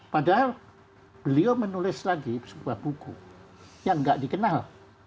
padahal beliau menulis lagi sebuah buku yang nggak dikenal